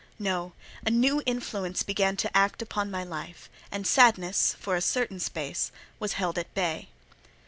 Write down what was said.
No: a new influence began to act upon my life, and sadness, for a certain space, was held at bay.